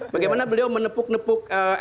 bagaimana beliau menepuk nepuk